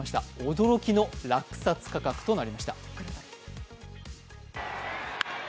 驚きの落札価格となりました。